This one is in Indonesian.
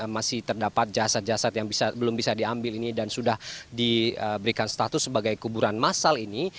masih terdapat jasad jasad yang belum bisa diambil ini dan sudah diberikan status sebagai kuburan masal ini